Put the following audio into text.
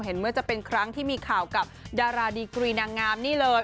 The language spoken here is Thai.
เมื่อจะเป็นครั้งที่มีข่าวกับดาราดีกรีนางงามนี่เลย